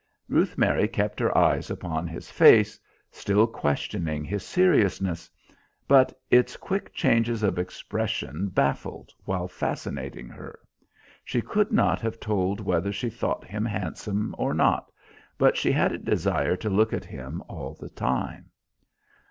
Ruth Mary kept her eyes upon his face, still questioning his seriousness, but its quick changes of expression baffled while fascinating her. She could not have told whether she thought him handsome or not, but she had a desire to look at him all the time.